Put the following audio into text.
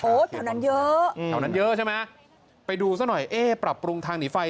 โอ้แถวนั้นเยอะใช่ไหมครับไปดูซักหน่อยปรับปรุงทางหนีไฟ